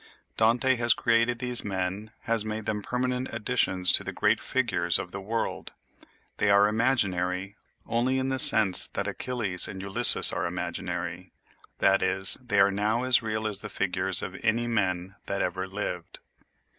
Dante has created these men, has made them permanent additions to the great figures of the world; they are imaginary only in the sense that Achilles and Ulysses are imaginary—that is, they are now as real as the figures of any men that ever lived.